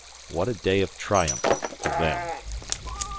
What a day of triumph for them.